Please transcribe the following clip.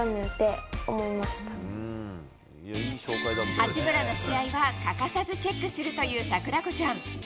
八村の試合は欠かさずチェックするという桜子ちゃん。